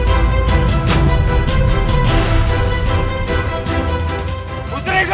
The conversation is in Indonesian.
maafkan ayah anda putriku